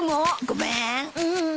ごめーん。